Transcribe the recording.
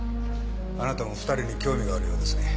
あなたも二人に興味があるようですね。